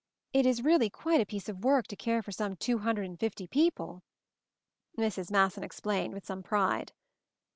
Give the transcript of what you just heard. It is really quite a piece of work, to care for some two hundred and fifty people," Mrs. Masson explained with some pride.